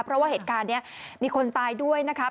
เพราะว่าเหตุการณ์นี้มีคนตายด้วยนะคะ